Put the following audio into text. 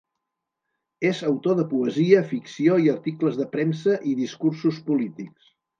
És autor de poesia, ficció i articles de premsa i discursos polítics.